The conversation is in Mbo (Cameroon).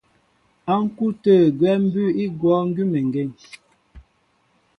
Á ŋ̀kú' tə̂ gwɛ́ mbʉ́ʉ́ í gwɔ̂ gʉ́meŋgeŋ.